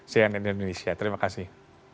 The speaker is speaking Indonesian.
sian indonesia terima kasih